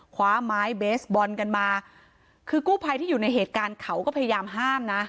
คว้าไม้เบสบอลกันมาคือกู้ภัยที่อยู่ในเหตุการณ์เขาก็พยายามห้ามนะ